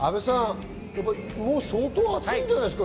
相当暑いんじゃないんですか？